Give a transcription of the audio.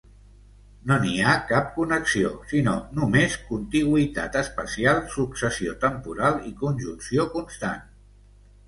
No n'hi ha cap connexió, sinó només contigüitat espacial, successió temporal i conjunció constant.